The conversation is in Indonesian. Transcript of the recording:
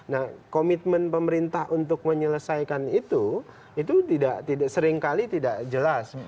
nah komitmen pemerintah untuk menyelesaikan itu itu seringkali tidak jelas